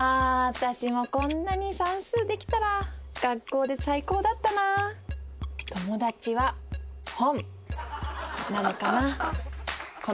私もこんなに算数できたら学校で最高だったな友達は本なのかな